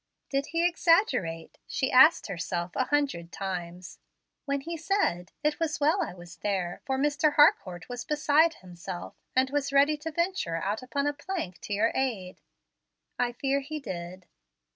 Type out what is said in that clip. "Did he exaggerate," she asked herself a hundred times, "when he said, 'It was well I was there; for Mr. Harcourt was beside himself, and was ready to venture out upon a plank to your aid'? I fear he did."